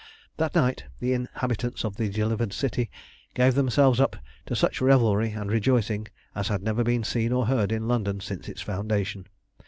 That night the inhabitants of the delivered city gave themselves up to such revelry and rejoicing as had never been seen or heard in London since its foundation.